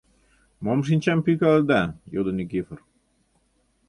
— Мом шинчам пӱйкаледа? — йодо Никифор.